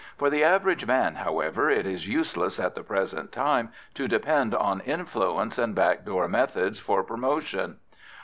For the average man, however, it is useless at the present time to depend on influence and back door methods for promotion.